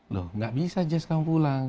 loh nggak bisa jess kamu pulang